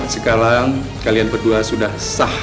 sekarang kalian berdua sudah sah